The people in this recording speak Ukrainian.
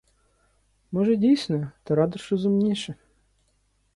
Може, дійсне, ти радиш розумніше.